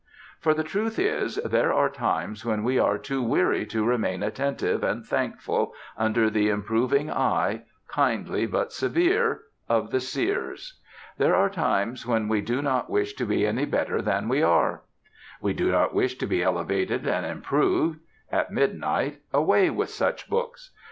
For the truth is, there are times when we are too weary to remain attentive and thankful under the improving eye, kindly but severe, of the seers. There are times when we do not wish to be any better than we are. We do not wish to be elevated and improved. At midnight, away with such books!